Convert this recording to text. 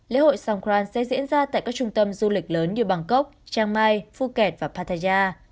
lễ hội songkran sẽ diễn ra tại các trung tâm du lịch lớn như bangkok chiang mai phuket và pattaya